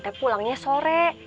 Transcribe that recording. teh pulangnya sore